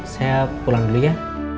saya pulang dulu ya